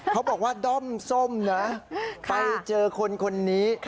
เขาบอกว่าด้อมส้มนะไปเจอคนคนนี้